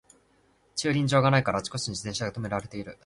駐輪場がないからあちこちに自転車がとめられてる